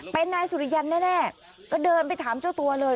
เป็นนายสุริยันแน่ก็เดินไปถามเจ้าตัวเลย